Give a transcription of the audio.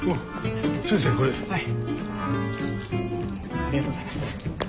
ありがとうございます。